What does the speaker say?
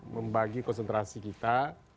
membagi konsentrasi kita